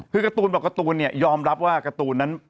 คือการ์ตูนบอกการ์ตูนเนี่ยยอมรับว่าการ์ตูนนั้น